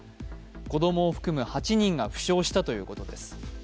子供を含む８人が負傷したということです。